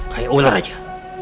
kayak ular aja